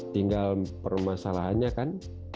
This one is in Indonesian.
tinggal permasalahannya kan